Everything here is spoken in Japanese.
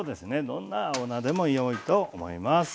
どんな青菜でもよいと思います。